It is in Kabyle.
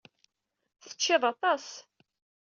Teččiḍ aṭas.